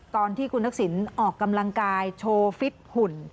ตอนที่คุณทักษิณออกกำลังกายโชว์ฟิตหุ่น